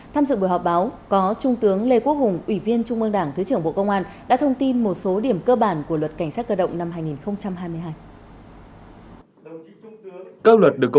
tham dự buổi họp báo có trung tướng lê quốc hùng ủy viên trung mương đảng thứ trưởng bộ công an đã thông tin một số điểm cơ bản của luật cảnh sát cơ động năm hai nghìn hai mươi hai